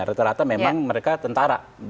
rata rata mereka tentara